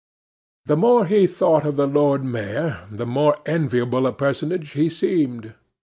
The more he thought of the Lord Mayor, the more enviable a personage he seemed.